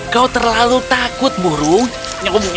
kau terlalu takut burung aku anak yang pemberani